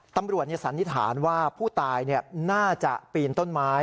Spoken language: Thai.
สันนิษฐานว่าผู้ตายน่าจะปีนต้นไม้